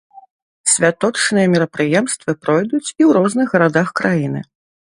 Святочныя мерапрыемствы пройдуць і ў розных гарадах краіны.